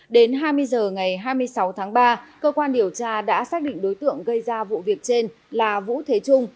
đến hai mươi h ngày hai mươi sáu tháng ba cơ quan điều tra đã xác định đối tượng gây ra vụ việc trên là vũ thế trung